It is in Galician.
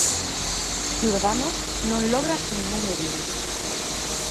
Ciudadanos non logra nin un edil.